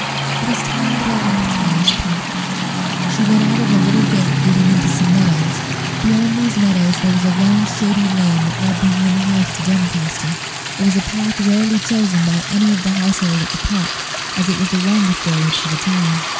It is time that I left Mellish Park." She went out of a little gate leading into some meadows. Beyond these meadows there was a long shady lane that led behind the house to Doncaster. It was a path rarely chosen by any of the household at the Park, as it was the longest way to the town.